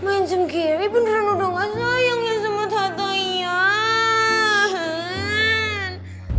yenzim gary beneran udah gak sayang sama tata ian